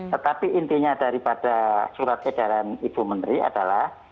tetapi intinya daripada surat edaran ibu menteri adalah